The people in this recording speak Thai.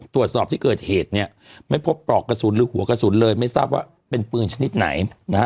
ตรวจสอบที่เกิดเหตุเนี่ยไม่พบปลอกกระสุนหรือหัวกระสุนเลยไม่ทราบว่าเป็นปืนชนิดไหนนะฮะ